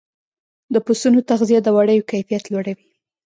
د پسونو تغذیه د وړیو کیفیت لوړوي.